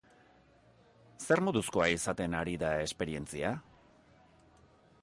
Zer moduzkoa izaten ari da esperientzia?